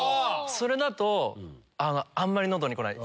それだとあんまり喉にこない。